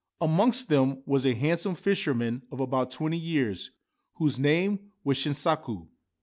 Amongst them was a handsome fisherman of about twenty years whose name was Shinsaku.